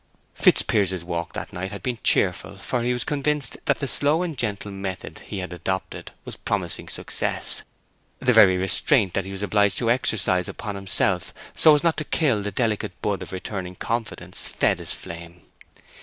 Fitzpiers's walk that night had been cheerful, for he was convinced that the slow and gentle method he had adopted was promising success. The very restraint that he was obliged to exercise upon himself, so as not to kill the delicate bud of returning confidence, fed his flame.